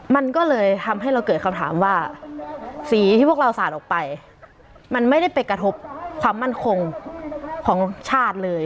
มันก็เลยทำให้เราเกิดคำถามว่าสีที่พวกเราสาดออกไปมันไม่ได้ไปกระทบความมั่นคงของชาติเลย